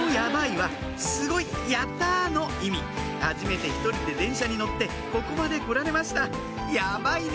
はじめて一人で電車に乗ってここまで来られましたやばいね！